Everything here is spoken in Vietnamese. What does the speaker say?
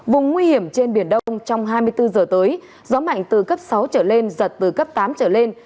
vùng nguy hiểm trên biển đông trong hai mươi bốn giờ tới gió mạnh từ cấp sáu trở lên giật từ cấp tám trở lên